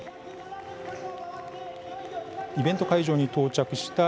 イベント会場に到着した